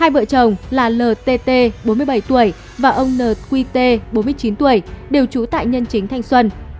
hai vợ chồng là lt bốn mươi bảy tuổi và ông nqt bốn mươi chín tuổi đều trú tại nhân chính thanh xuân